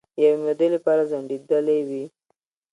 د یوې مودې لپاره ځنډیدېلې وې